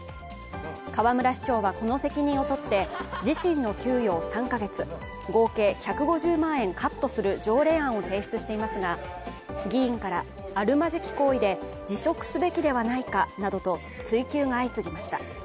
河村市長はこの責任をとって、自身の給与３カ月、合計１５０万円をカットする条例案を提出していますが、議員から、あるまじき行為で辞職すべきではないかなどと追及が相次ぎました。